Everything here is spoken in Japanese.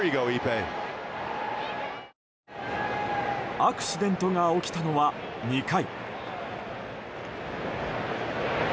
アクシデントが起きたのは２回。